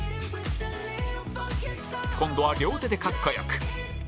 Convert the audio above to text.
今度は両手でかっこよく